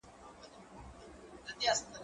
ته ولي د کتابتون د کار مرسته کوې.